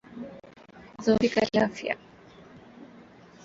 Kudhoofika kiafya